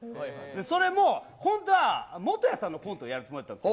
それも、本当はもとやさんのコントをやるつもりだったんです。